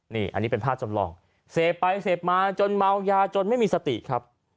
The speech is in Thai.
นี่อันนี้เป็นภาพจำลองเสพไปเสพมาจนเมายาจนไม่มีสติครับ